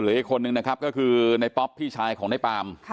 อีกคนนึงนะครับก็คือในป๊อปพี่ชายของในปาล์ม